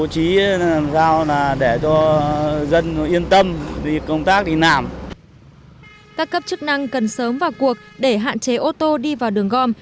các cấp chức năng cần sớm vào cuộc để hạn chế ô tô đi vào đường gom